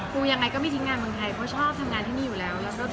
คือยังไงก็ไม่ทิ้งงานเมืองไทยเพราะชอบทำงานที่นี่อยู่แล้ว